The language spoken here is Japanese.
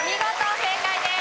正解です。